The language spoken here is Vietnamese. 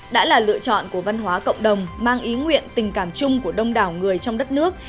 đã là lựa chọn của văn hóa cộng đồng mang ý nguyện tình cảm chung của đông đảo người trong đất nước